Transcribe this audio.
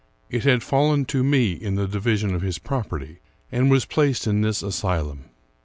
It had fallen to me in the division of his property, and was placed in this asy lum.